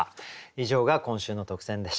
以上が今週の特選でした。